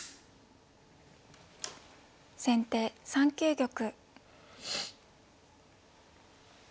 先手３九玉。